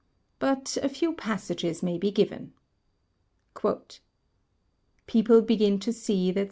But a few passages may be given: "People begin to see that